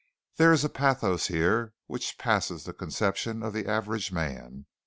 There is a pathos here which passes the conception of the average man.